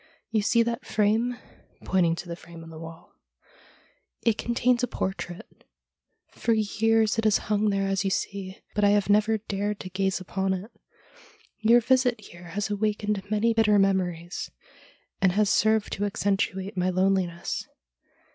You see that frame '— pointing to the frame on the wall —' it contains a portrait. For years it has hung there as you see, but I have never dared to gaze upon it. Your visit here has awakened many bitter memories, and has served to accentuate my loneliness.